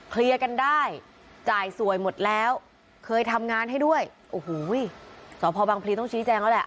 เคลียร์กันได้จ่ายสวยหมดแล้วเคยทำงานให้ด้วยโอ้โหสพบังพลีต้องชี้แจงแล้วแหละ